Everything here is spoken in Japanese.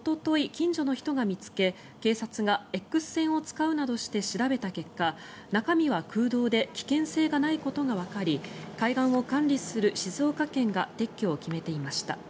近所の人が見つけ警察がＸ線を使うなどして調べた結果、中身は空洞で危険性がないことがわかり海岸を管理する静岡県が撤去を決めていました。